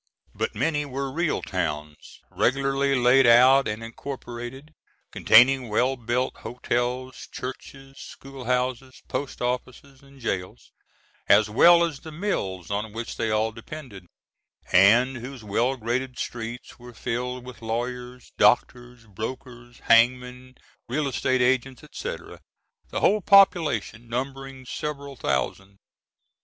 But many were real towns, regularly laid out and incorporated, containing well built hotels, churches, schoolhouses, post offices, and jails, as well as the mills on which they all depended; and whose well graded streets were filled with lawyers, doctors, brokers, hangmen, real estate agents, etc., the whole population numbering several thousand.